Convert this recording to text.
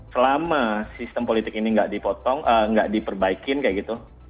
selama sistem politik ini nggak dipotong nggak diperbaikin kayak gitu